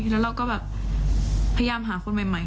แล้วเราก็แบบพยายามหาคนใหม่